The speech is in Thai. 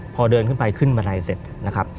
พอเดินขึ้นไปขึ้นบันไดเสร็จนะครับ